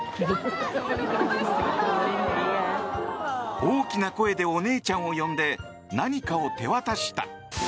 大きな声でお姉ちゃんを呼んで何かを手渡した。